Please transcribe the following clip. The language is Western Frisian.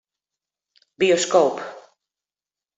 Bioskoop.